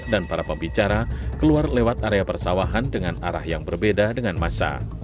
dan para pembicara keluar lewat area persawahan dengan arah yang berbeda dengan masa